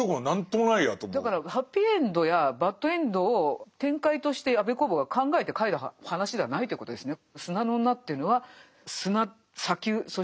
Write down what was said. だからハッピーエンドやバッドエンドを展開として安部公房が考えて書いた話ではないということですね。